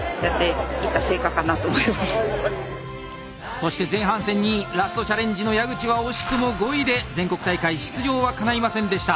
そして前半戦２位ラストチャレンジの矢口は惜しくも５位で全国大会出場はかないませんでした。